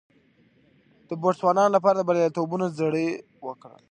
د بوتسوانا لپاره د بریالیتوبونو زړي وکرل.